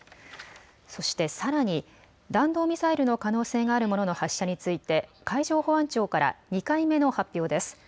そして、さらに弾道ミサイルの可能性があるものの発射について海上保安庁から２回目の発表です。